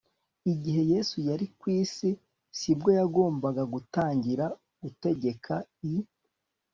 igihe yesu yari ku isi si bwo yagombaga gutangira gutegeka i